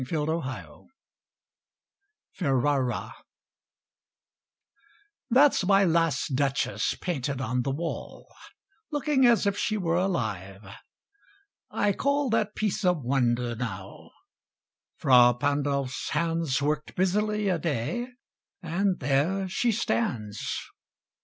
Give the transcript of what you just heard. MY LAST DUCHESS Ferrara That's my last Duchess painted on the wall, Looking as if she were alive. I call That piece a wonder, now: Fra Pandolf's hands Worked busily a day, and there she stands.